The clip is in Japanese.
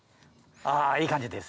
あいい感じです。